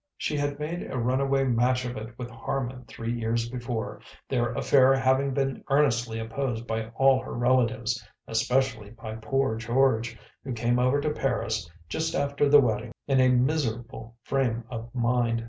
She had made a runaway match of it with Harman three years before, their affair having been earnestly opposed by all her relatives especially by poor George, who came over to Paris just after the wedding in a miserable frame of mind.